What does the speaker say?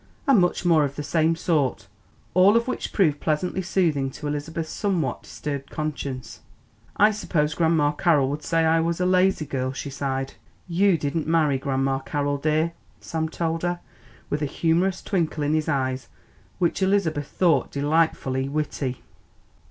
And much more of the same sort, all of which proved pleasantly soothing to Elizabeth's somewhat disturbed conscience. "I suppose Grandma Carroll would say I was a lazy girl," she sighed. "You didn't marry Grandma Carroll, dear," Sam told her, with a humorous twinkle in his eyes which Elizabeth thought delightfully witty.